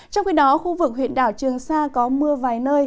trong khi đó khu vực huyện đảo trường sa có mưa vài nơi